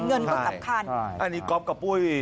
งั้นก็สำคัญใช่ใช่อันนี้กอฟกับปุ๊ย